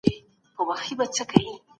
د ستورو پېژندنه په څېړنه کې مهم هنر دی.